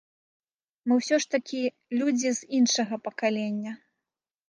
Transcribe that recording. Мы ўсё ж такі людзі з іншага пакалення.